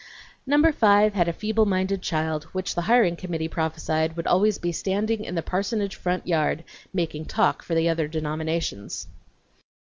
Number five had a feeble minded child, which the hiring committee prophesied, would always be standing in the parsonage front yard, making talk for the other denominations.